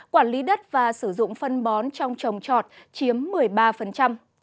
quản lý đất và sử dụng phân bón trong trồng trọt chiếm một mươi ba